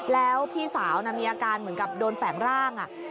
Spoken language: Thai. แล้วพี่สาวมีอาการเหมือนกับโดนแฝงร่าง